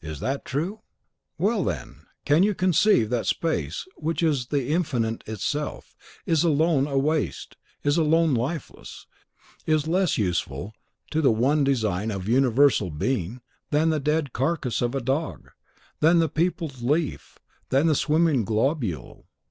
Is that true? Well, then, can you conceive that space, which is the Infinite itself, is alone a waste, is alone lifeless, is less useful to the one design of universal being than the dead carcass of a dog, than the peopled leaf, than the swarming globule?